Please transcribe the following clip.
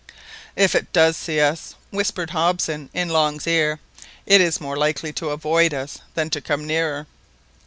"If it does see us," whispered Hobson in Long's ear, "it is more likely to avoid us than to come nearer."